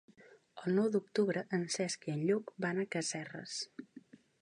El nou d'octubre en Cesc i en Lluc van a Casserres.